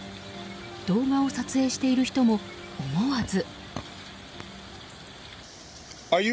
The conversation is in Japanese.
動画を撮影している人も思わず。